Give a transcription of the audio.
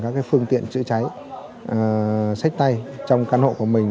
các phương tiện chữa cháy sách tay trong căn hộ của mình